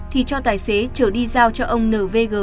thì cho tài xế trở đi giao cho ông n v g